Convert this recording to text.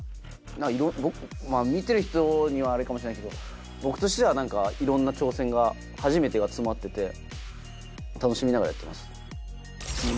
見てる人にはあれかもしれないけど僕としては何かいろんな挑戦が初めてが詰まってて楽しみながらやってます。